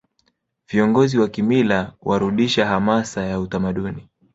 viongozi wa kimila warudisha hamasa ya utamaduni